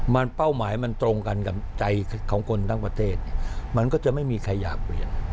มันเป้าหมายมันตรงกันกับใจของคนทั้งประเทศมันก็จะไม่มีใครอยากเปลี่ยน